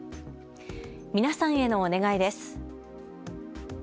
皆さんへのお願いです。